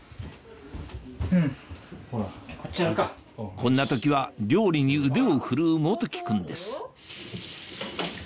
こんな時は料理に腕を振るう元基君です